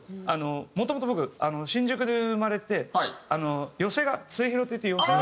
もともと僕新宿で生まれて寄席が末廣亭っていう寄席が。